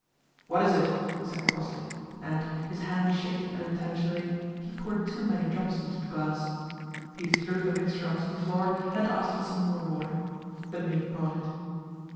"What is it?" he said crossly, and, his hand shaking unintentionally, he poured too many drops into the glass. He threw the mixture onto the floor and asked for some more water. The maid brought it.